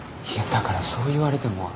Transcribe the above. だからそう言われても。